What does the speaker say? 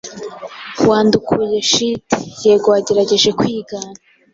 Wandukuye shit, yego, wagerageje kwigana